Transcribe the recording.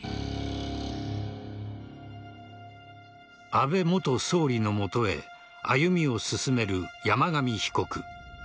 安倍元総理の元へ歩みを進める山上被告。